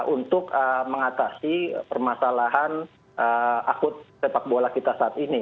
untuk mengatasi permasalahan akut sepak bola kita saat ini